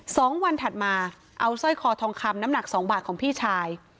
สองวันถัดมาเอาสร้อยคอทองคำน้ำหนักสองบาทของพี่ชาย